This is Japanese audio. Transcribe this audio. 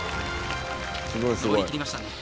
登りきりましたね。